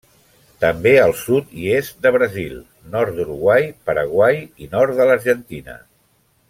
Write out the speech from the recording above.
També al sud i est de Brasil, nord d'Uruguai, Paraguai i nord de l'Argentina.